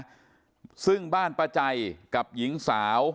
แต่พอเห็นว่าเหตุการณ์มันเริ่มเข้าไปห้ามทั้งคู่ให้แยกออกจากกัน